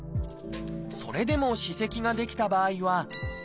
それでも歯石が出来た場合は「スケーリング」。